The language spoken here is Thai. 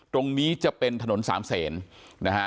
ตรงนี้จะเป็นถนนสามเศษนะฮะ